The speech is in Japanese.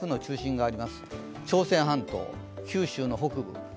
朝鮮半島、九州の北部。